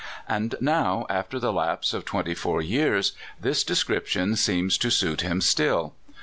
And now, after the lapse of twenty four years, this d 'iscrij^tion seems to suit him still.